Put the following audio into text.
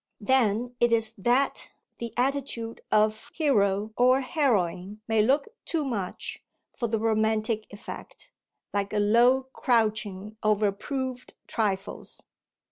Then it is that the attitude of hero or heroine may look too much for the romantic effect like a low crouching over proved trifles.